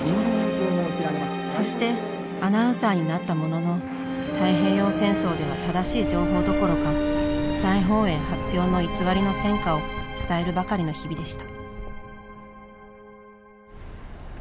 そしてアナウンサーになったものの太平洋戦争では正しい情報どころか大本営発表の偽りの戦果を伝えるばかりの日々でした